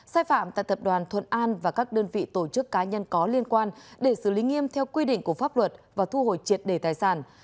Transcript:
sai phạm tại tập đoàn thuận an và các đơn vị tổ chức cá nhân có liên quan để xử lý nghiêm theo quy định của pháp luật và thu hồi triệt đề tài sản